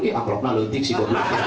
ya akroknalitik sih